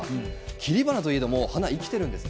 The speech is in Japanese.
切り花といえども花は生きているんですね。